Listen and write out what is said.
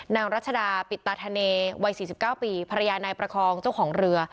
รัชดาปิดตาธเนวัย๔๙ปีภรรยานายประคองเจ้าของเรือ